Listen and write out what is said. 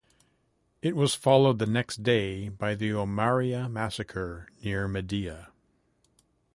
It was followed the next day by the Omaria massacre near Medea.